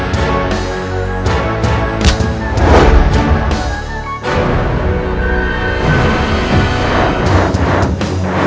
jangan letak wajah eros